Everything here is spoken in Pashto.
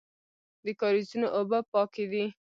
د کاریزونو اوبه پاکې دي